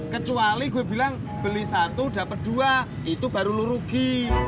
kecuali gue bilang beli satu dapat dua itu baru lo rugi